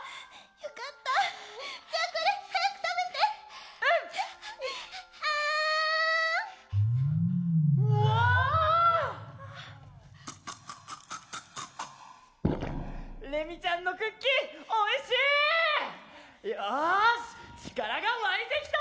よし力がわいてきたぞ！